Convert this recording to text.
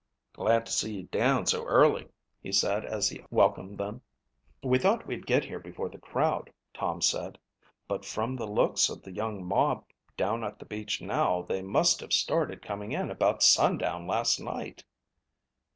"Glad to see you down so early," he said as he welcomed them. "We thought we'd get here before the crowd," Tom said, "but from the looks of the young mob down at the beach now they must have started coming in about sundown last night."